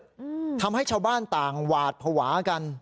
อืมทำให้ชาวบ้านต่างหวาดภาวะกัน